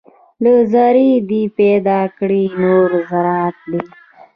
له ذرې دې پیدا کړي نور ذرات دي